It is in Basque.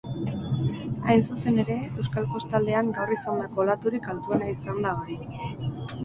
Hain zuzen ere, euskal kostaldean gaur izandako olaturik altuena izan da hori.